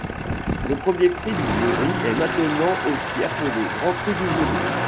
Le Premier Prix du Jury est maintenant aussi appelé Grand Prix du Jury.